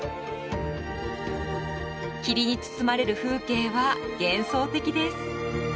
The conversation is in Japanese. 霧に包まれる風景は幻想的です。